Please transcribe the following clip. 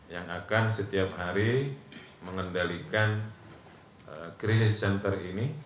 yang akan setiap hari mengendalikan krisis center ini